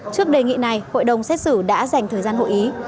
trước đề nghị này hội đồng xét xử đã dành thời gian hội ý